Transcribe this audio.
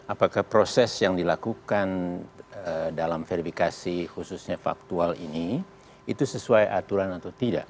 apakah proses yang dilakukan dalam verifikasi khususnya faktual ini itu sesuai aturan atau tidak